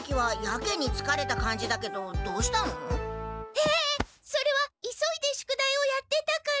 えそれは急いで宿題をやってたから。